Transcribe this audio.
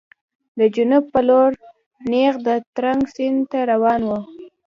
د جنوب په لور نېغ د ترنک سیند ته روان و.